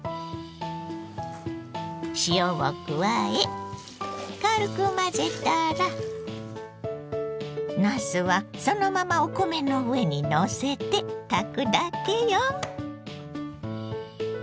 塩を加え軽く混ぜたらなすはそのままお米の上にのせて炊くだけよ。